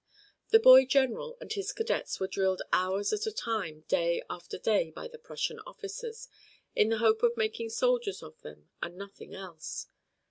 The boy general and his cadets were drilled hours at a time day after day by the Prussian officers, in the hope of making soldiers of them and nothing else.